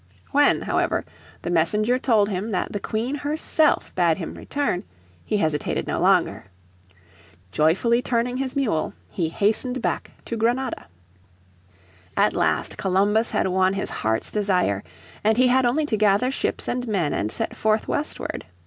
When, however, the messenger told him that the Queen herself bade him return, he hesitated no longer. Joyfully turning his mule he hastened back to Granada. At last Columbus had won his heart's desire, and he had only to gather ships and men and set forth westward.